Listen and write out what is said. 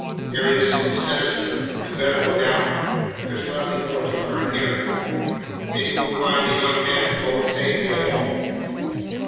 "Mary, this looks sinister. We'd better go down. There's nothing more to learn here." "Maybe we'll find the young men both safely at home."